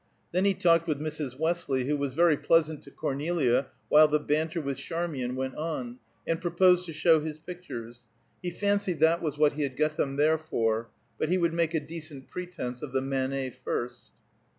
Then he talked with Mrs. Westley, who was very pleasant to Cornelia while the banter with Charmian went on, and proposed to show his pictures; he fancied that was what he had got them there, for; but he would make a decent pretence of the Manet, first.